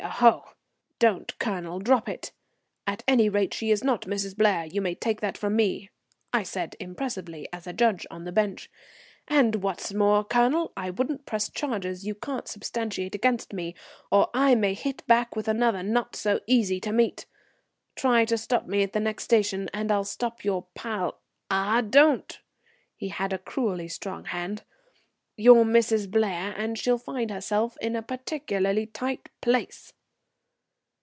Oho! Don't, Colonel, drop it. At any rate, she is not Mrs. Blair; you may take that from me," I said as impressively as a judge on the bench. "And what's more, Colonel, I wouldn't press charges you can't substantiate against me, or I may hit back with another not so easy to meet. Try to stop me at the next station, and I'll stop your pal ah, don't" he had a cruelly strong hand "your Mrs. Blair, and she'll find herself in a particularly tight place."